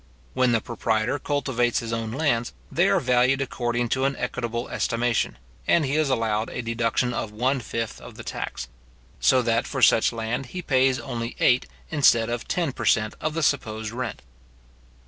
When the proprietor cultivates his own lands, they are valued according to an equitable estimation, and he is allowed a deduction of one fifth of the tax; so that for such land he pays only eight instead of ten per cent. of the supposed rent.